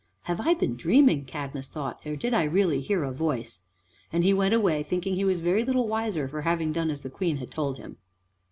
"Have I been dreaming?" Cadmus thought, "or did I really hear a voice?" and he went away thinking he was very little wiser for having done as the Queen had told him.